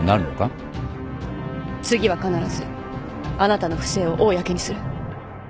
次は必ずあなたの不正を公にする。